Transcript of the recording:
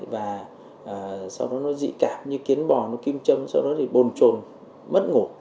và sau đó nó dị cảm như kiến bò nó kim châm sau đó thì bồn trồn mất ngủ